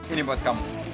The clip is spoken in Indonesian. ini buat kamu